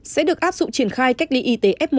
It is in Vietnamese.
sẽ được áp dụng triển khai cách ly y tế f một